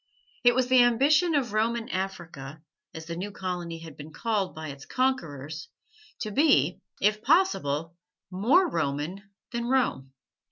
It was the ambition of Roman Africa, as the new colony had been called by its conquerors, to be, if possible, more Roman than Rome.